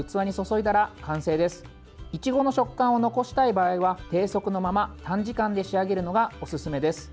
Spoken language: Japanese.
いちごの食感を残したい場合は低速のまま短時間で仕上げるのがおすすめです。